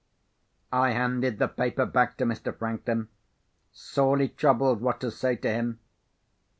I handed the paper back to Mr. Franklin, sorely troubled what to say to him.